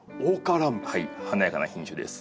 華やかな品種です。